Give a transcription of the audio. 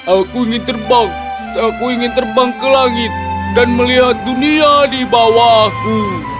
aku ingin terbang aku ingin terbang ke langit dan melihat dunia di bawahku